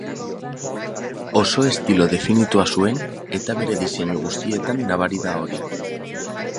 Oso estilo definitua zuen, eta bere diseinu guztietan nabari da hori.